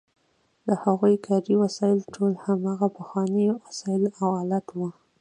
د هغوی کاري وسایل ټول هماغه پخواني وسایل او آلات وو.